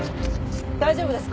大丈夫ですか？